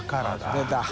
出た。